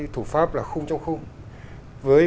thủ pháp là khung trong khung với